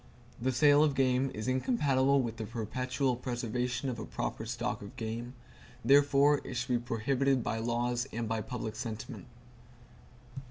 The sale of game is incompatible with the perpetual preservation of a proper stock of game; therefore it should be prohibited by laws and by public sentiment.